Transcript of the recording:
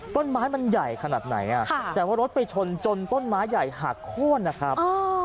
ต้นไม้มันใหญ่ขนาดไหนแต่ว่ารถไปชนจนต้นไม้ใหญ่หักโค้นนะครับ